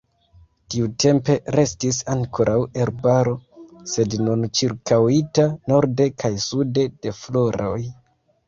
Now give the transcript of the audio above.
Tiutempe restis ankoraŭ herbaro, sed nun ĉirkaŭita norde kaj sude de floroj.